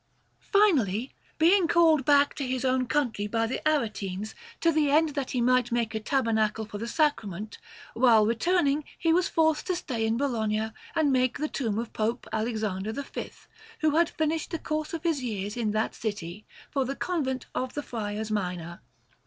Finally, being called back to his own country by the Aretines to the end that he might make a tabernacle for the Sacrament, while returning he was forced to stay in Bologna and to make the tomb of Pope Alexander V, who had finished the course of his years in that city, for the Convent of the Friars Minor.